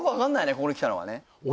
ここに来たのはね